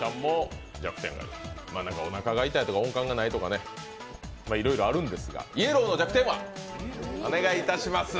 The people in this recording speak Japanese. おなかが痛いとか音感がないとかいろいろあるんですがイエローの弱点は？